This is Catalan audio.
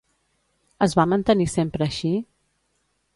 Es va mantenir sempre així?